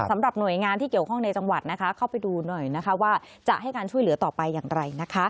สำหรับหน่วยงานที่เกี่ยวข้องในจังหวัดนะคะเข้าไปดูหน่อยนะคะว่าจะให้การช่วยเหลือต่อไปอย่างไรนะคะ